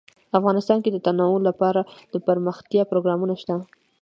افغانستان کې د تنوع لپاره دپرمختیا پروګرامونه شته.